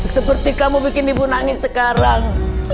seperti kamu bikin ibu nangis sekarang